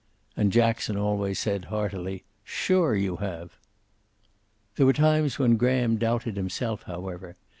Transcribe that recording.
And Jackson always said heartily, "Sure you have." There were times when Graham doubted himself, however.